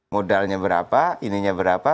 modalnya berapa ininya berapa